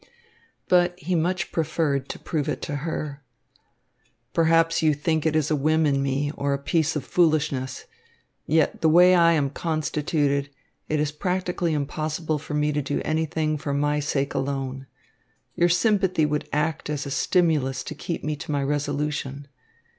But he much preferred to prove it to her. "Perhaps you think it is a whim in me or a piece of foolishness. Yet, the way I am constituted, it is practically impossible for me to do anything for my sake alone. Your sympathy would act as a stimulus to keep me to my resolution."